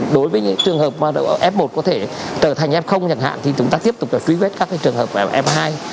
đối với những trường hợp f một có thể trở thành f nhận hạn thì chúng ta tiếp tục phí vết các trường hợp f hai